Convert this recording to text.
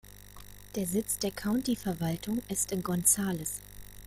Der Sitz der County-Verwaltung ist in Gonzales.